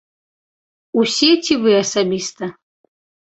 Усе ці вы асабіста?